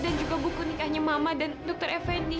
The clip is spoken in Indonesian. dan juga buku nikahnya mama dan dokter effendi